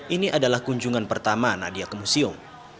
ini adalah kunjungan pertama nadia ke museum